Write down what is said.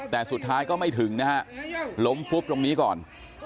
แต่สุดท้ายก็ไม่ถึงนะฮะล้มฟุบตรงนี้ก่อน